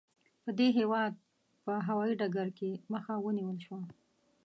د دې هېواد په هوايي ډګر کې یې مخه ونیول شوه.